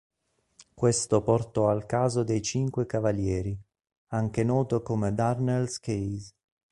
Questo portò al caso dei cinque cavalieri, anche noto come "Darnell's Case".